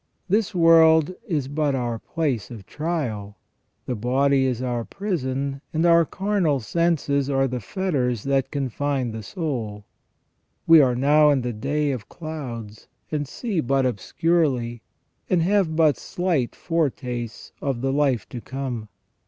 This world is but our place of trial ; the body is our prison, and our carnal senses are the fetters that confine the soul. We are now in the day of clouds, and see but obscurely, and have but slight foretastes of the life to come.